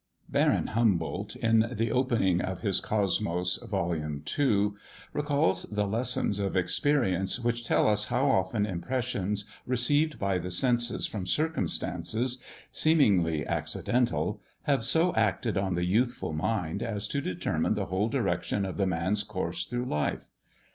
Baron Humboldt, in the opening of his Cosmos, vol. ii., recalls the lessons of experience, which tell us how often impressions received by the senses from circumstances, seemingly accidental, have so acted on the youthful mind as to determine the whole direction of the man's course through life.